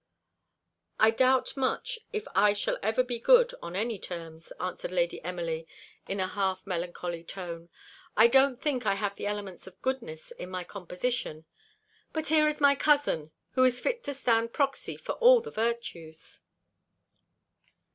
"I doubt much if I shall ever be good on any terms," answered Lady Emily in a half melancholy tone; "I don't think I have the elements of goodness in my composition, but here is my cousin, who is fit to stand proxy for all the virtues."